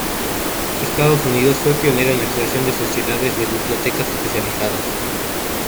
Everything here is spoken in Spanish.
Estados Unidos fue pionero en la creación de sociedades de bibliotecas especializadas.